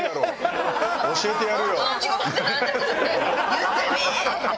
言ってみい！